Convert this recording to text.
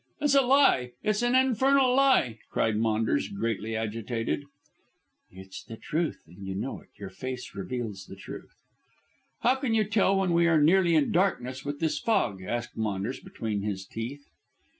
"It's a lie, it's an infernal lie," cried Maunders greatly agitated. "It's the truth, and you know it. Your face reveals the truth." "How can you tell that when we are nearly in darkness with this fog?" asked Maunders between his teeth.